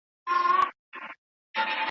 ازاد فکر تعصب ماتوونکی دی